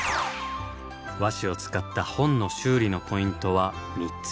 和紙を使った「本の修理」のポイントは３つ。